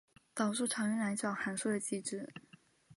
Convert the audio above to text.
导数常用来找函数的极值。